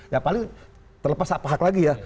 ya paling terlepas apa hak lagi ya